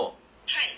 はい。